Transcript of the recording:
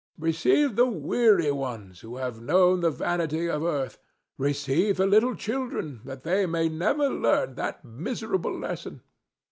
Receive the weary ones who have known the vanity of earth; receive the little children, that they may never learn that miserable lesson.